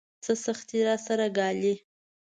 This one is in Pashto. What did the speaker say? څه سختۍ راسره ګالي.